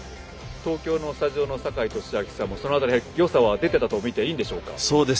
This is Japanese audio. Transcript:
東京のスタジオの坂井利彰さんもその辺り、よさは出ていたとみていいんでしょうか。